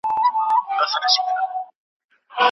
د احمد شاه ابدالي په وخت کي کومي نوي لارې جوړي سوي؟